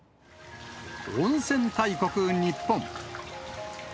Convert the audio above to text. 温泉大国日本。